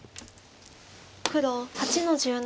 黒８の十七。